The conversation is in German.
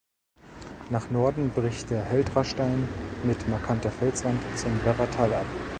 Nach Norden bricht der Heldrastein mit markanter Felswand zum Werratal ab.